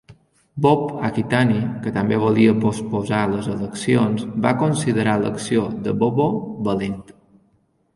Bob-Akitani, que també volia posposar les eleccions, va considerar l'acció de Boko "valenta".